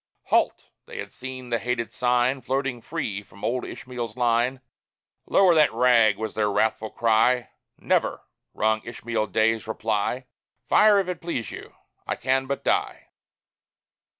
"Halt!" They had seen the hated sign Floating free from old Ishmael's line "Lower that rag!" was their wrathful cry; "Never!" rung Ishmael Day's reply, "Fire if it please you I can but die."